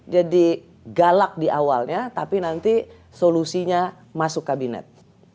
jadi galak di awalnya tapi nanti solusinya masuk kabinet